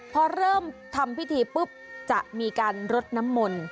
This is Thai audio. พอเริ่มทำพิธีปุ๊บจะมีการรดน้ำมนต์